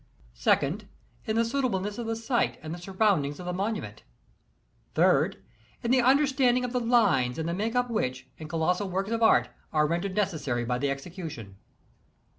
2d — In the suitableness of the site and the surround ings of the monument 3d — In the understanding of the lines and the make up which, in colossal works of art, are rendered necessary by the execution.